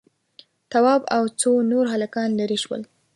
تواب او څو نور هلکان ليرې شول.